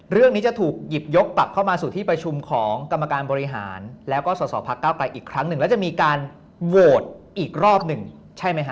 เรื่องนี้จะถูกหยิบยกกลับเข้ามาสู่ที่ประชุมของกรรมการบริหารแล้วก็สอสอพักเก้าไกลอีกครั้งหนึ่งแล้วจะมีการโหวตอีกรอบหนึ่งใช่ไหมฮะ